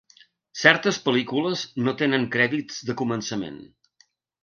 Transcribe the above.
Certes pel·lícules no tenen crèdits de començament.